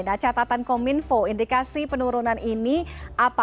nah catatan kominfo indikasi penurunan ini apa